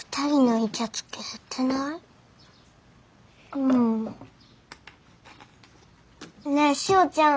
うん。ねえしおちゃん。